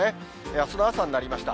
あすの朝になりました。